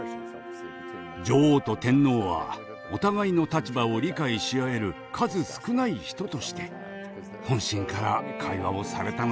女王と天皇はお互いの立場を理解し合える数少ない人として本心から会話をされたのだと思います。